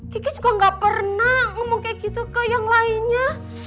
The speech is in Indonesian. kiki juga gak pernah ngomong kayak gitu ke yang lainnya